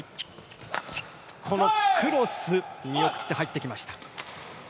クロス、見送って入ってきました。